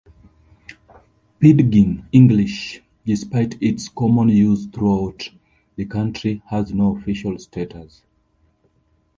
Pidgin English, despite its common use throughout the country, has no official status.